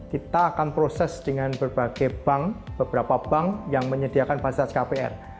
kita akan proses dengan berbagai bank beberapa bank yang menyediakan fasilitas kpr